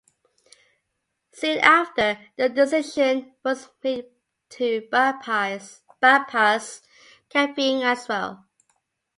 Soon after the decision was made to bypass Kavieng as well.